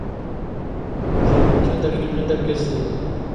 D nekk kan ay yellan d argaz din.